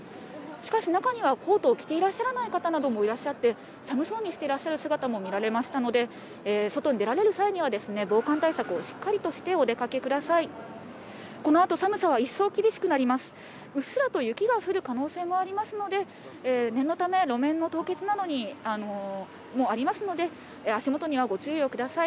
しかし、中には、コートを着ていらっしゃらない方などもいらっしゃって、寒そうにしていらっしゃる様子も見られましたので、外に出られる際には、防寒対策をしっかりとしてお出かけください。